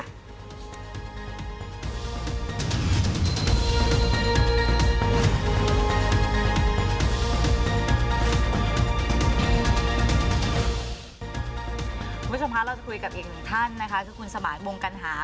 คุณผู้ชมครับเราจะคุยกับเองท่านนะคะคือคุณสมาร์ทวงกันหา